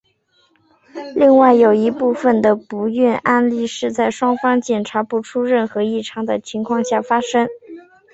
另外有一部分的不孕案例是在双方检查不出任何异常的状况下发生。